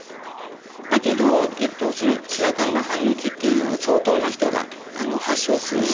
だけどシラカバ・ハンノキっていうのは相当な人が発症するし。